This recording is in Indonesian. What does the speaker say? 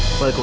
no bukan itu